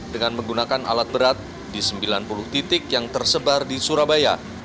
dengan menggunakan alat berat di sembilan puluh titik yang tersebar di surabaya